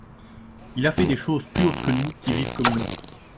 Il fait des choses plus hautes que nous qui vivent comme nous.